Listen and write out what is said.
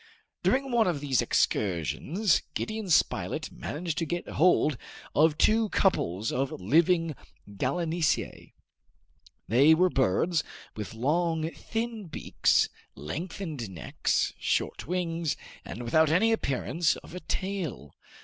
During one of these excursions, Gideon Spilett managed to get hold of two couples of living gallinaceae. They were birds with long, thin beaks, lengthened necks, short wings, and without any appearance of a tail.